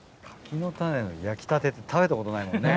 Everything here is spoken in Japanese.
柿の種の焼きたて食べたことないもんね。